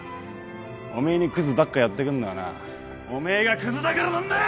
おめえにクズばっか寄ってくんのはなおめえがクズだからなんだよ！